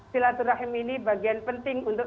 silaturahim ini bagian penting untuk